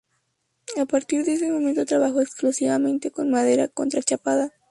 A partir de ese momento trabajó exclusivamente con madera contrachapada.